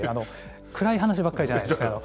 暗い話ばっかりじゃないです。